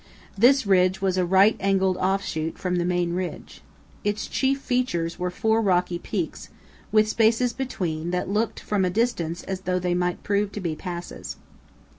This ridge was a right angled offshoot from the main ridge. Its chief features were four rocky peaks with spaces between that looked from a distance as though they might prove to be passes.